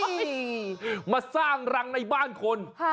นี่มาสร้างรังในบ้านคน